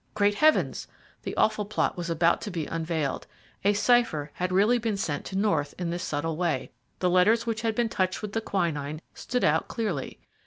Great heavens! the awful plot was about to be unveiled. A cipher had really been sent to North in this subtle way. The letters which had been touched with the quinine stood out clearly.